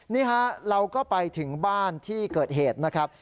นี่ฮะเราก็ไปถึงบ้านที่เกิดเหตุนะครับ